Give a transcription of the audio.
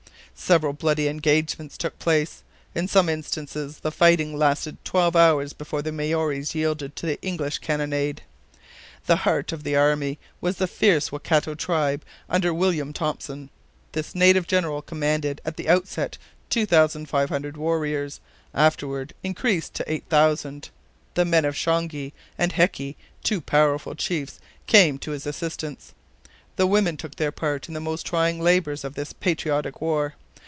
Several bloody engagements took place; in some instances the fighting lasted twelve hours before the Maories yielded to the English cannonade. The heart of the army was the fierce Waikato tribe under William Thompson. This native general commanded at the outset 2,500 warriors, afterward increased to 8,000. The men of Shongi and Heki, two powerful chiefs, came to his assistance. The women took their part in the most trying labors of this patriotic war.